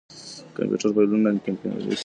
کمپيوټر فايلونه اَنکمپريسوي.